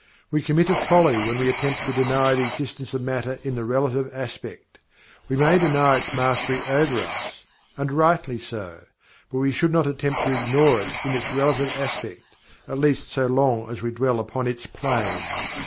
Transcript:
We commit a folly when we attempt to deny the existence of Matter in the relative aspect. We may deny its mastery over us and rightly so but we should not attempt to ignore it in its relative aspect, at least so long as we dwell upon its plane.